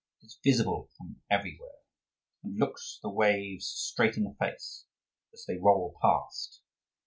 It is visible from everywhere, and looks the waves straight in the face as they roll past.